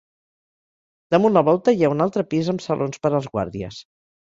Damunt la volta hi ha un altre pis amb salons per als guàrdies.